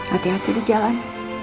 hati hati di jalan